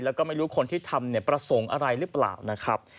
แล้วก็ไม่รู้คนที่ทำประสงค์อะไรหรือเปล่า